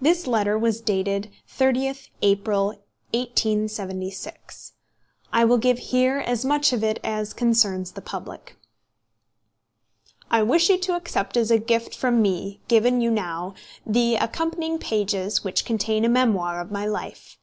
This letter was dated 30th April, 1876. I will give here as much of it as concerns the public: "I wish you to accept as a gift from me, given you now, the accompanying pages which contain a memoir of my life.